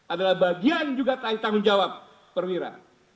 adalah bagian juga tanggung jawab perwira